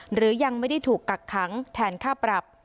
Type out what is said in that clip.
หรือยังไม่ได้ถูกกักขังแทนค่าปรับ